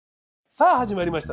さあ始まりました。